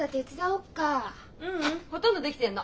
ううん。ほとんどできてるの。